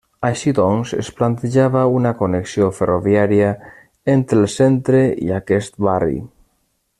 Així doncs, es plantejava una connexió ferroviària entre el centre i aquest barri.